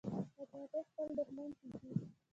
مچمچۍ خپل دښمن چیچي